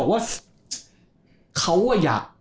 คุณดูใครบอกว่า